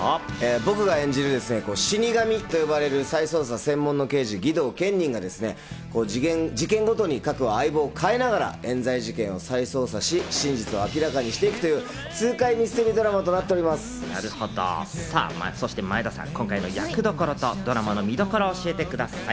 僕が演じる死神と呼ばれる再捜査専門の刑事・儀藤堅忍が事件ごとに相棒を変えながら、冤罪事件を再捜査し、真実を明らかにしていくという痛快ミステリードラマと前田さん、今回の役どころとドラマの見どころを教えてください。